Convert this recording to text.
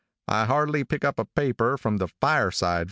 I hardly pick up a paper, from the Fireside.